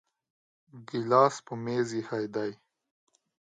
ګلاس په میز ایښی دی